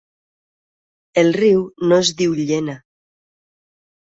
El riu no es diu Llena.